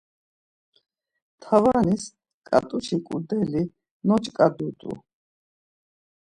Tavanis ǩat̆uşi ǩudeli noç̌ǩadut̆u.